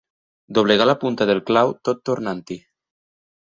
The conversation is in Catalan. Doblegar la punta del clau tot tornant-hi.